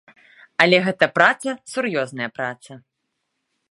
Але гэта праца, сур'ёзная праца.